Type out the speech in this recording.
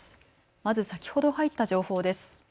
まず先ほど入った情報です。